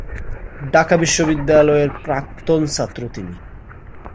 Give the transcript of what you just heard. ঢাকা বিশ্ববিদ্যালয়ের প্রাক্তন ছাত্র তিনি।